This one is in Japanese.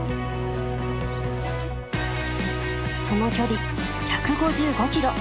その距離１５５ｋｍ。